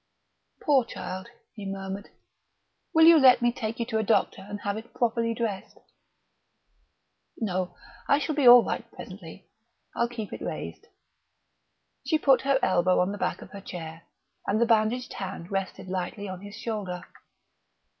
"Poor child!" he murmured. "Will you let me take you to a doctor and have it properly dressed?" "No I shall be all right presently I'll keep it raised " She put her elbow on the back of her chair, and the bandaged hand rested lightly on his shoulder.